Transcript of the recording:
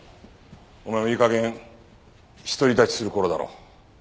お前もいいかげん独り立ちする頃だろ。